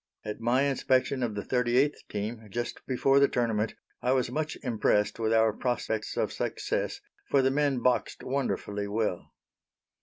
At my inspection of the 38th team, just before the tournament, I was much impressed with our prospects of success, for the men boxed wonderfully well.